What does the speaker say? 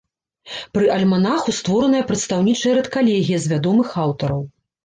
Пры альманаху створаная прадстаўнічая рэдкалегія з вядомых аўтараў.